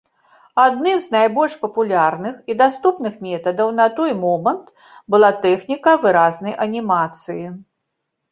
Адным з найбольш папулярных і даступных метадаў на той момант была тэхніка выразной анімацыі.